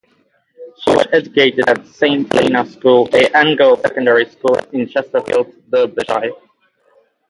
She was educated at Saint Helena School, a an-girls secondary school in Chesterfield, Derbyshire.